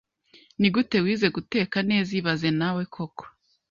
Nigute wize guteka neza ibaze nawe koko